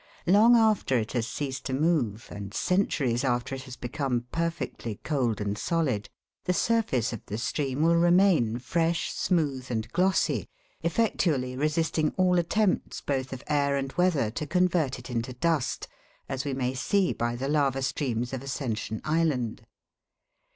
Long after it has ceased to move, and centuries after it has become perfectly cold and solid, the surface of the stream will remain fresh, smooth, and glossy, effectually re sisting all attempts both of air and weather to convert it into dust, as we may see by the lava streams of Ascension Island.